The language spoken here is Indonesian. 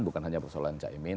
bukan hanya persoalan cak imin